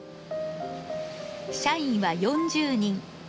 社員は４０人。